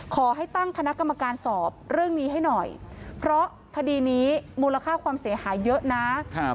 ขอให้ตั้งคณะกรรมการสอบเรื่องนี้ให้หน่อยเพราะคดีนี้มูลค่าความเสียหายเยอะนะครับ